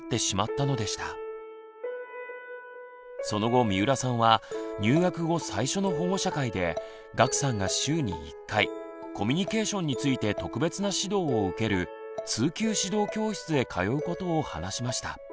その後三浦さんは入学後最初の保護者会で岳さんが週に１回コミュニケーションについて特別な指導を受ける「通級指導教室」へ通うことを話しました。